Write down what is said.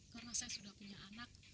karena saya sudah punya anak